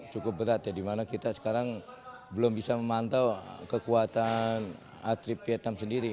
cukup berat ya dimana kita sekarang belum bisa memantau kekuatan atlet vietnam sendiri